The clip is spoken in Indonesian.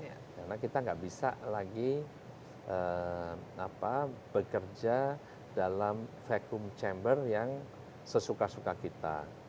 karena kita nggak bisa lagi bekerja dalam vacuum chamber yang sesuka suka kita